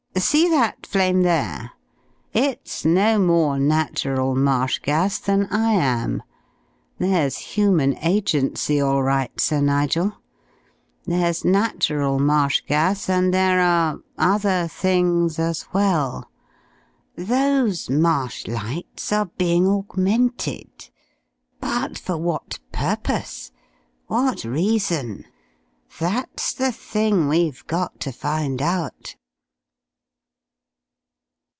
See that flame there! It's no more natural marsh gas than I am! There's human agency all right, Sir Nigel. There's natural marsh gas and there are other things as well. Those marsh lights are being augmented. But for what purpose? What reason? That's the thing we've got to find out."